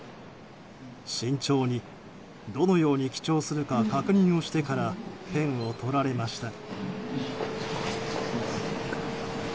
慎重にどのように記帳するか確認をしてからペンをとられました。